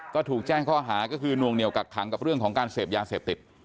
ก็ถูกแจ้งข้อหาก็คือนวงเหนียวกักขังกับเรื่องของการเสพยาเสพติด